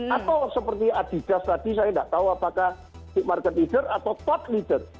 atau seperti adigas tadi saya tidak tahu apakah market leader atau top leader